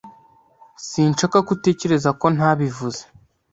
Sinshaka ko utekereza ko ntabivuze.